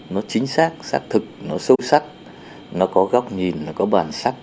nó chính xác xác thực nó sâu sắc nó có góc nhìn nó có bản sắc